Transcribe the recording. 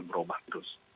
dan berubah terus